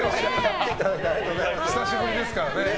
久しぶりですからね。